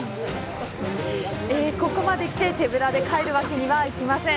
ここまで来て手ぶらで帰るわけにはいきません！